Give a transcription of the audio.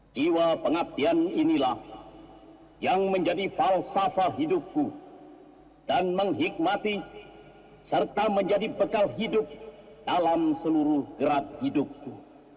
jiwa pengabdian inilah yang menjadi falsafah hidupku dan menghikmati serta menjadi bekal hidup dalam seluruh gerak hidupku